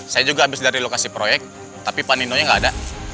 saya juga habis dari lokasi proyek tapi paninonya nggak ada